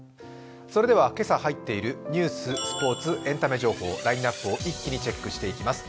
それでは今朝入っているニュース、スポーツエンタメ情報ラインナップを一気にチェックしていきます。